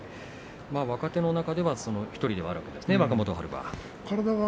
若手の中ではその１人であるわけですよね、若元春は。